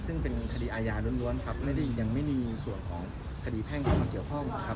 ซึ่งเป็นคดีอาญาล้วนครับไม่ได้ยังไม่มีส่วนของคดีแพ่งเข้ามาเกี่ยวข้องครับ